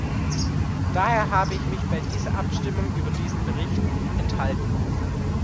Daher habe ich mich bei der Abstimmung über diesen Bericht enthalten.